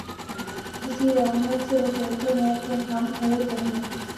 کس رعونت سے وہ کہتے ہیں کہ ’’ ہم حور نہیں ‘‘